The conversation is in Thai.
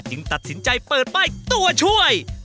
จึงตัดสินใจเปิดไปตัวช่วย